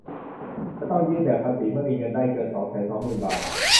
จะต้องยื่นแบบภาษีเมื่อมีเงินได้เกิน สองแสนสองหมื่น บาท